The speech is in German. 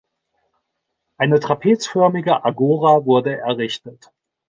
Eine trapezförmige Agora wurde errichtet.